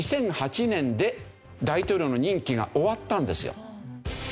２００８年で大統領の任期が終わったんですよ。